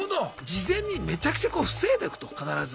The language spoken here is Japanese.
事前にめちゃくちゃこう防いでおくと必ず。